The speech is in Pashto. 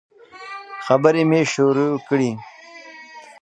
خبري مي شروع کړې !